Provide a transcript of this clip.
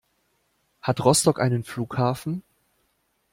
Hat Rostock einen Flughafen?